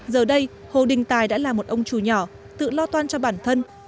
giờ đây hồ đình tài đã là một ông trù nhỏ tự lo toan cho bản thân